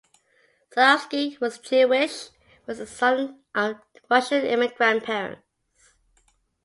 Zaslofsky, who was Jewish, was the son of Russian immigrant parents.